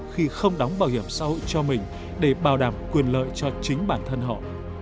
khi không đóng bảo hiểm xã hội cho mình để bảo đảm quyền lợi cho chính bản thân họ